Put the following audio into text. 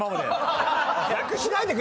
楽しないでくれよ。